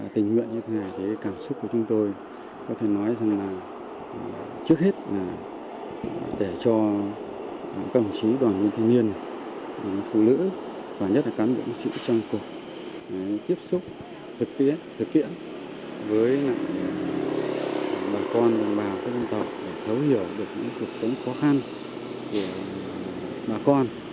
tình nguyện như thế này cảm xúc của chúng tôi có thể nói rằng là trước hết là để cho công trí đoàn nguyên thế niên phụ nữ và nhất là cán bộ nguyễn sĩ trang cục tiếp xúc thực tiễn với bà con đồng bào các dân tộc để thấu hiểu được những cuộc sống khó khăn của bà con